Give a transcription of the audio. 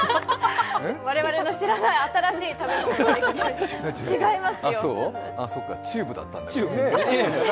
我々の知らない新しい食べ物、違いますよ。